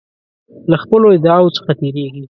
له خپلو ادعاوو څخه تیریږي.